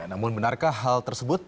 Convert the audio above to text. namun benarkah hal tersebut